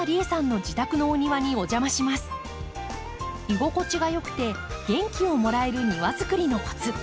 居心地が良くて元気をもらえる庭づくりのコツ！